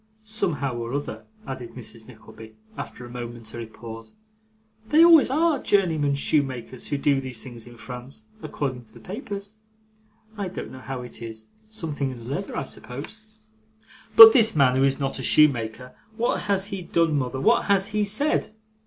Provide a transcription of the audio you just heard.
Somehow or other,' added Mrs. Nickleby, after a momentary pause, 'they always ARE journeyman shoemakers who do these things in France, according to the papers. I don't know how it is something in the leather, I suppose.' 'But this man, who is not a shoemaker what has he done, mother, what has he said?